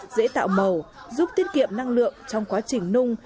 dễ tạo màu giúp tiết kiệm năng lượng trong quá trình nung